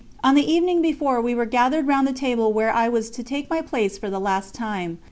On the evening before, we were gathered around the table where I was to take my place for the last time.